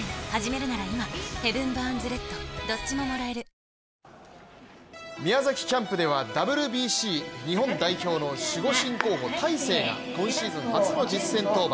そんな世界女王の姿を宮崎キャンプではＷＢＣ日本代表の守護神候補・大勢が今シーズン初の実戦登板。